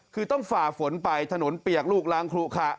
คือต้องฝ่าฝนไปถนนเปียกลูกล้างคลุขะ